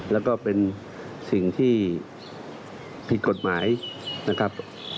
แล้วก็เป็นสิ่งที่ผิดกฎหมายนะครับ